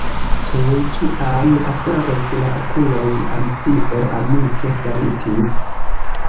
Tuj kiam aperis la okuloj, Alicio amike salutis.